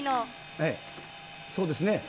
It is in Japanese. そうですね。